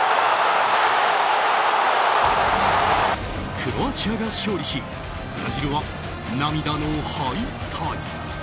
クロアチアが勝利しブラジルは涙の敗退。